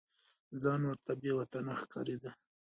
ځان ورته بې وطنه ښکارېده.